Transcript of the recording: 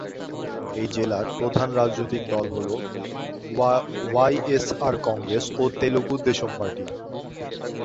এই জেলার প্রধান রাজনৈতিক দল হল ওয়াইএসআর কংগ্রেস ও তেলুগু দেশম পার্টি।